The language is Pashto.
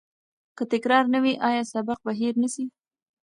که تکرار نه وي، آیا سبق به هیر نه سی؟